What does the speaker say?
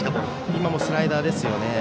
今のもスライダーですね。